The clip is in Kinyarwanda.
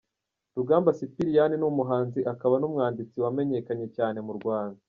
Rugamba Sipiriyani ni umuhanzi akaba n’umwanditsi wamenyekanye cyane mu Rwanda.